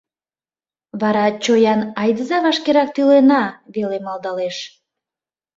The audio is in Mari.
Вара чоян «айдыза вашкерак тӱлена» веле малдалеш.